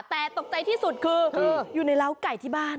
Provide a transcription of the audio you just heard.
แต่ตกใจที่สุดคืออยู่ในร้าวไก่ที่บ้าน